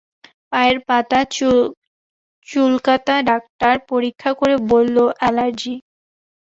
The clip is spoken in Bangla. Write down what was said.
পায়ের পাতা চুলকাতা ডাক্তার পরীক্ষা করে বলল-অ্যালার্জি।